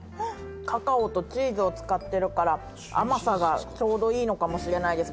「カカオとチーズを使ってるから甘さがちょうどいいのかもしれないですね」